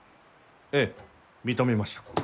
ええ認めました。